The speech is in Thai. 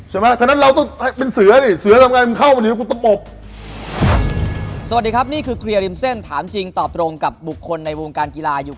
หมูนี่คือเราจะเข้าไปกิน